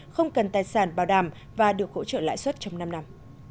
không cần tài sản bảo đảm và được hỗ trợ lãi suất trong năm năm